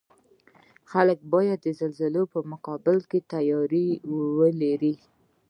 خلک باید د زلزلې په مقابل کې تیاری ولري